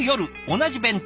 同じ弁当」